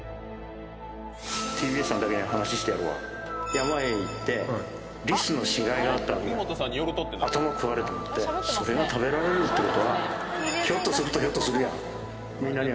山へ行ってリスの死骸があったわけよ頭食われてしまってそれが食べられるってことはひょっとするとひょっとするやん